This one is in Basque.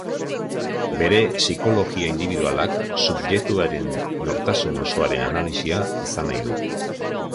Bere psikologia indibidualak subjektuaren nortasun osoaren analisia izan nahi du.